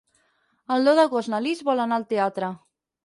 El deu d'agost na Lis vol anar al teatre.